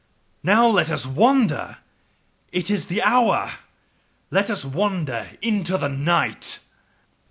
COME! LET US NOW WANDER! IT IS THE HOUR: LET US WANDER INTO THE NIGHT!